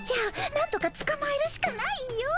なんとかつかまえるしかないよ。